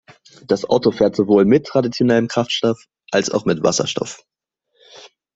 Das Auto fährt sowohl mit traditionellem Kraftstoff als auch mit Wasserstoff.